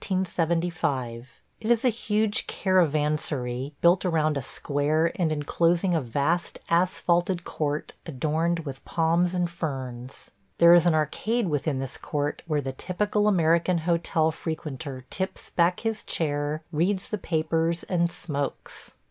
It is a huge caravansary, built around a square and enclosing a vast asphalted court adorned with palms and ferns. There is an arcade within this court where the typical American hotel frequenter tips back his chair, reads the papers, and smokes.